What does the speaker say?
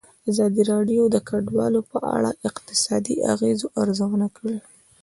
ازادي راډیو د کډوال په اړه د اقتصادي اغېزو ارزونه کړې.